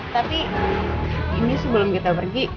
tapi ini sebelum kita pergi